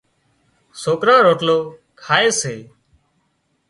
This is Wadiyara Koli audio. سوڪران روٽلو کائي سي